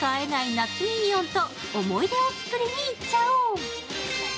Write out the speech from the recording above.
夏ミニオンと思い出を作りに行っちゃおう。